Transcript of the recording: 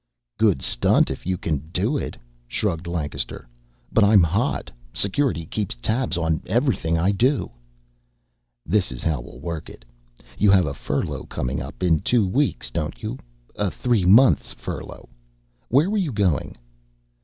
"Good stunt if you can do it," shrugged Lancaster. "But I'm hot. Security keeps tabs on everything I do." "This is how we'll work it. You have a furlough coming up in two weeks, don't you a three months' furlough? Where were you going?"